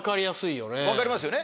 分かりますよね